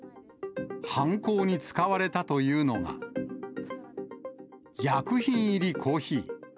犯行に使われたというのが、薬品入りコーヒー。